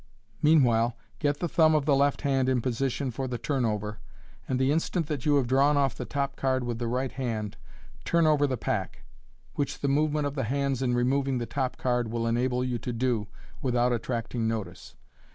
Meanwhile, get the thumb of the left hand in position for the " turn over," and the instant that you have drawn off the top card with the right hand, turn over the pack, which the movement of the hands in removing the top card will enable you to do without attracting notice.